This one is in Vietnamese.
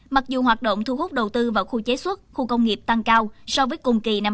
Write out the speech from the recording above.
mặc dù hoạt động thu hút đầu tư vào khu chế suất khu công nghiệp tăng cao so với cùng kỳ năm hai nghìn một mươi chín